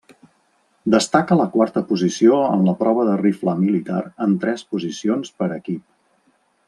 Destaca la quarta posició en la prova de rifle militar en tres posicions per equip.